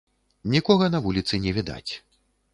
Нікога на вуліцы не відаць.